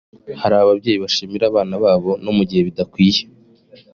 hari ababyeyi bashimira abana babo no mu gihe bidakwiriye